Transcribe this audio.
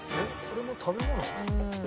これも食べ物？